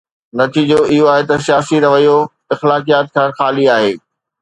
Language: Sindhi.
نتيجو اهو آهي ته سياسي رويو اخلاقيات کان خالي آهي.